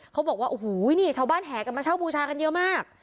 เขาบอกว่าโอ้โหนี่ชาวบ้านแห่กันมาเช่าบูชากันเยอะมาก